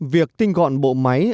việc tinh gọn bộ máy